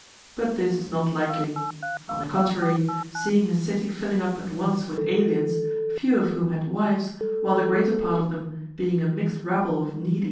But this is not likely. On the contrary, seeing his city filling up at once with aliens, few of whom had wives, while the greater part of them, being a mixed rabble of needy Cf.